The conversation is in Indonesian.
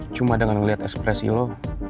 cuma dengan melihat ekspresi lo